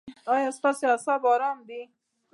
ایا ستاسو اعصاب ارام دي؟